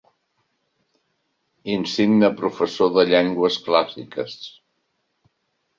Insigne professor de llengües clàssiques.